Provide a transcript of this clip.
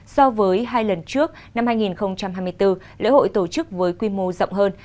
so với hai lần trước năm hai nghìn hai mươi bốn lễ hội tổ chức với quy mô rộng hơn